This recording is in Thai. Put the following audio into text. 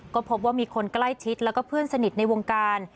ก็พบว่ามีคนใกล้ชิดแล้วก็เพื่อนสนิทในวงการ